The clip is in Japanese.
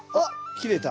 切れた。